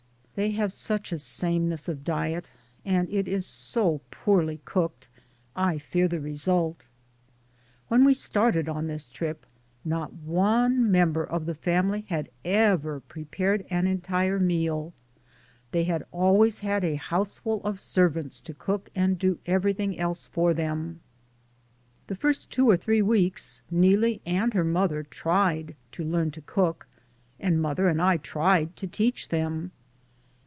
They have such a same ness of diet, and it is so poorly cooked I fear the result. When we started on this trip not one member of the family had ever prepared an entire meal ; they had always had a houseful of servants to cook and do everything else for them. The first two or three weeks Nee lie and her mother tried to learn to cook, and mother and I tried to teach them.